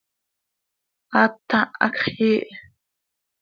Aata, hacx yiih.